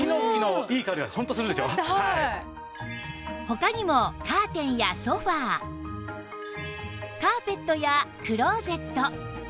他にもカーテンやソファカーペットやクローゼット